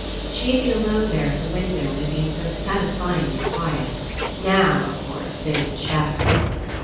She had been alone there at the window and It had been so satisfylngly quiet. Now, of course, they would chatter.